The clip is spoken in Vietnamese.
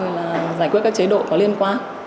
là giải quyết các chế độ có liên quan